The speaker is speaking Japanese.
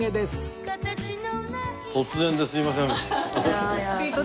突然ですいません。